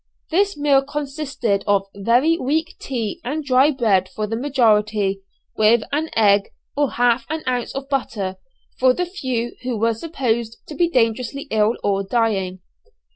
This meal consisted of very weak tea and dry bread for the majority, with an egg, or half an ounce of butter for the few who were supposed to be dangerously ill or dying.